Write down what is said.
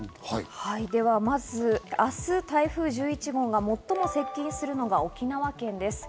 ではまず明日、台風１１号が最も接近するのが沖縄県です。